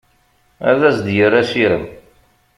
Ad asen-d-yerr asirem.